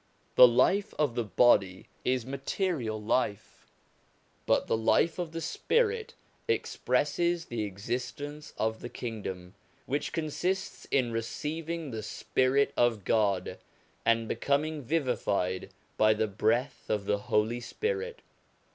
The life of the body is material life, POWERS AND CONDITIONS OF MAN 281 but the life of the spirit expresses the existence of the Kingdom, which consists in receiving the Spirit of God, and becoming vivified by the breath of the Holy Spirit.